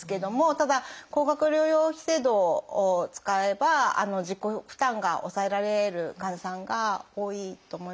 ただ高額療養費制度を使えば自己負担が抑えられる患者さんが多いと思います。